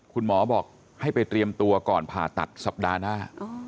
คุณหมอบอกให้ไปเตรียมตัวก่อนผ่าตัดสัปดาห์หน้า